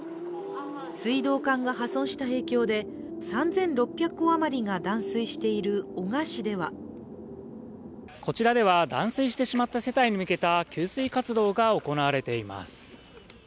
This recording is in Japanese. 水道管が破損した影響で３６００戸余りが断水している男鹿市ではこちらでは断水してしまった世帯に向けた給水活動が行われています。